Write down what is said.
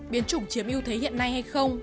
biến chủng chiếm ưu thế hiện nay hay không